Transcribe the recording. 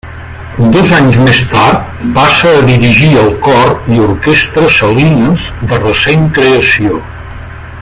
Dos anys més tard passa a dirigir el Cor i Orquestra Salines, de recent creació.